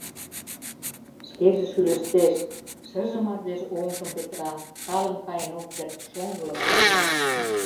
Шкеже шӱлештеш, шыже мардеж оҥжым петыра, талын каен ок керт, шоҥгылык пызыра.